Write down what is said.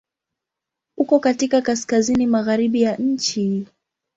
Uko katika Kaskazini magharibi ya nchi.